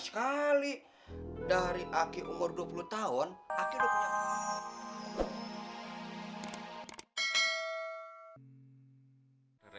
sekali dari ake umur dua puluh tahun akhirnya